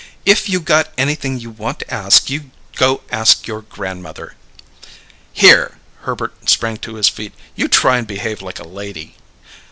"If you got anything you want to ask, you go ask your grandmother!" "Here!" Herbert sprang to his feet. "You try and behave like a lady!"